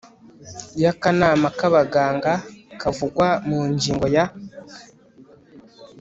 y akanama k abaganga kavugwa mu ngingo ya